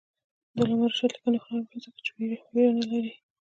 د علامه رشاد لیکنی هنر مهم دی ځکه چې ویره نه لري.